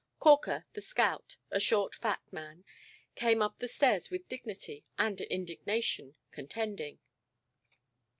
Corker, the scout, a short fat man, came up the stairs with dignity and indignation contending.